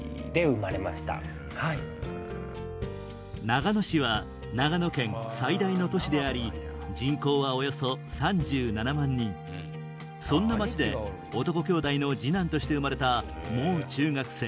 長野市は長野県最大の都市でありそんな町で男兄弟の次男として生まれたもう中学生